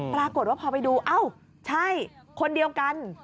ปรากฏว่าพอไปดูเอ้าใช่คนเดียวกัน